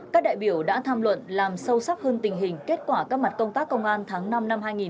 các đại biểu đã tham luận làm sâu sắc hơn tình hình kết quả các mặt công tác công an tháng năm năm hai nghìn hai mươi ba